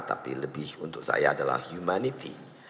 tapi lebih untuk saya adalah humanity